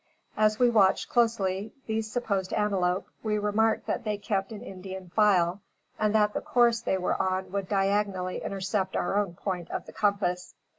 As we watched closely these supposed antelope; we remarked that they kept in Indian file, and that the course they were on would diagonally intercept our own point of the compass.